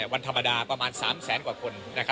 วันธรรมดาประมาณ๓แสนกว่าคน